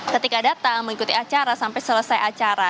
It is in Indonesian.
ketika datang mengikuti acara sampai selesai acara